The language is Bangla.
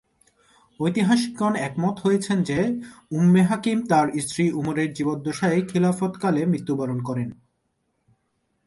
ঐতিহাসিকগণ একমত হয়েছেন যে, উম্মে হাকিম তার স্বামী উমরের জীবদ্দশায় খিলাফতকালে মৃত্যুবরণ করেন।